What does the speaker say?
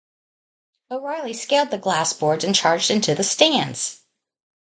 O'Reilly scaled the glass boards and charged into the stands.